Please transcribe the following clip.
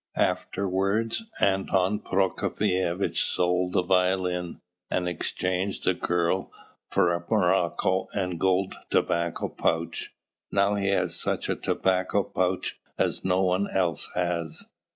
Afterwards Anton Prokofievitch sold the violin, and exchanged the girl for a morocco and gold tobacco pouch; now he has such a tobacco pouch as no one else has.